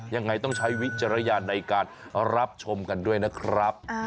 ยังไงต้องใช้วิจารณญาณในการรับชมกันด้วยนะครับ